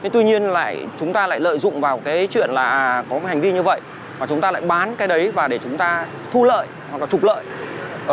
tuy nhiên lại chúng ta lại lợi dụng vào cái chuyện là có hành vi như vậy mà chúng ta lại bán cái đấy và để chúng ta thu lợi hoặc là trục lợi